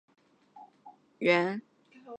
这种鸟有着红色的短腿和黑色的喙。